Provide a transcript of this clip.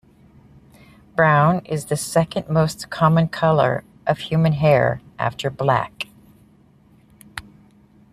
Brown is the second most common color of human hair, after black.